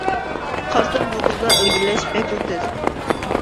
قارىسام بۇ قىزدا ئىلگىرىلەش بەكلا تېز.